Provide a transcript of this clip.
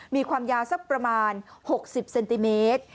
มีความยาวสักประมาณ๖๐เซนติเมตร